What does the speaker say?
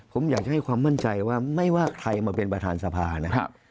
ผมอยากจะให้ความมั่นใจว่าไม่ว่าใครมาเป็นประธานสภานะครับ